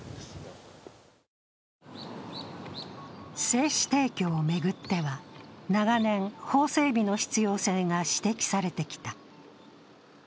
精子提供を巡っては、長年、法整備の必要性が指摘されてきた。